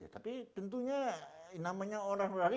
tapi tentunya namanya orang bali